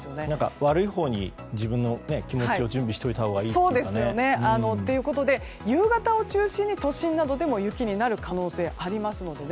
悪いほうに自分の気持ちを準備しといたほうがいいですね。ということで夕方中心に都心でも雪になる可能性があるので。